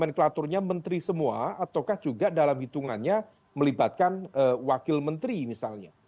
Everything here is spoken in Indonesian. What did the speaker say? atau itu adalah peraturan menteri semua ataukah juga dalam hitungannya melibatkan wakil menteri misalnya